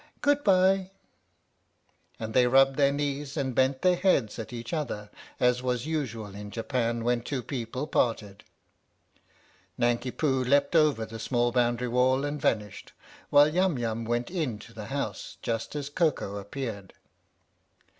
Good bye !" And they rubbed their knees and bent their heads at each other, as was usual in Japan when two people parted. Nanki Poo leapt over the small boundary wall and vanished, while Yum Yum went into the house just as Koko appeared.